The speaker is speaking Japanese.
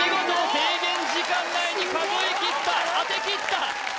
制限時間内に数えきった当てきった！